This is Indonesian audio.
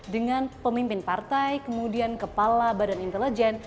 dengan pemimpin partai kemudian kepala badan intelijen